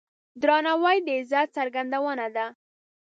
درناوی د عزت څرګندونه ده.